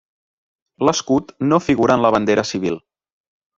L'escut no figura en la bandera civil.